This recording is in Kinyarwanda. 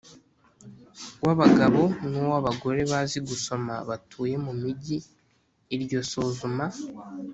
w abagabo n uw abagore bazi gusoma batuye mu migi Iryo suzuma